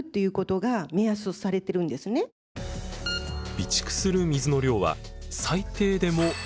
備蓄する水の量は最低でも３日分。